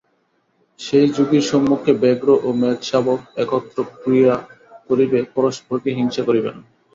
সেই যোগীর সম্মুখে ব্যাঘ্র ও মেঘ-শাবক একত্র ক্রীড়া করিবে, পরস্পরকে হিংসা করিবে না।